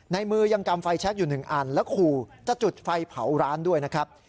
ในมือยังกำไฟแชคอยู่๑อันแล้วขู่จะจุดไฟเผาร้านด้วยนะครับ